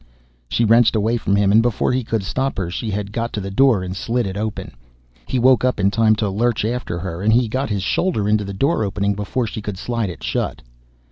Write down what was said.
She wrenched away from him and before he could stop her she had got to the door and slid it open. He woke up in time to lurch after her and he got his shoulder into the door opening before she could slide it shut.